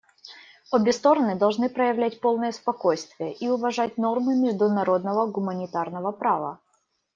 Обе стороны должны проявлять полное спокойствие и уважать нормы международного гуманитарного права.